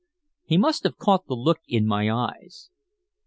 He must have caught the look in my eyes.